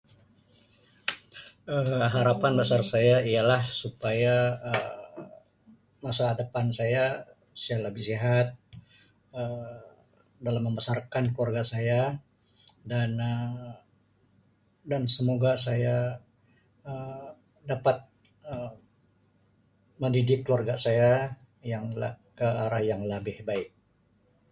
Um Harapan besar saya ialah supaya Um masa depan saya, saya lebih sihat Um dalam membesarkan keluarga saya dan Um dan semoga saya Um dapat Um mendidik keluarga saya yang la- ke arah yang lebih baik.